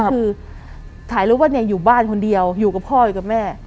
คือถ่ายรูปว่าเนี่ยอยู่บ้านคนเดียวอยู่กับพ่ออยู่กับแม่